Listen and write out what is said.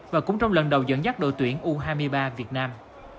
và cũng trong lần đầu dẫn dắt đội tuyển u hai mươi ba việt nam